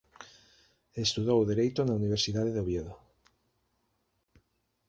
Estudou Dereito na Universidade de Oviedo.